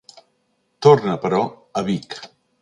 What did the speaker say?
Tornà, però, a Vic.